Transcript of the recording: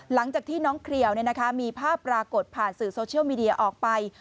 หลังจากที่น้องเครียวมีภาพปรากฏผ่านสื่อโซเชียลมีเดียออกไป